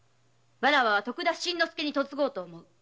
徳田新之助に嫁ごうと思う。